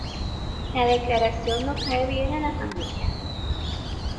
La declaración no cae bien a la familia.